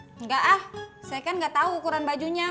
enggak ah saya kan gak tau ukuran bajunya